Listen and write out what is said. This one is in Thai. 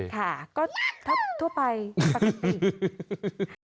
ค่ะก็ทั่วไปปกติ